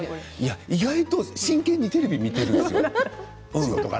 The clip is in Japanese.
意外と真剣にテレビを見ているんですよね。